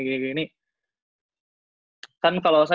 kan kalau saya gak basket banget tuh gue mau ke luar